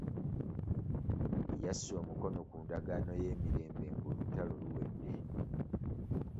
Yassa omukono ku ndagaano y'emirembe ng'olutalo luwedde .